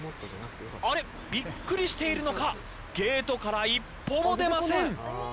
あれ、びっくりしているのかゲートから一歩も出ません。